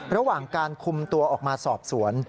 ระหว่างการคุมตัวออกมาสอบสวน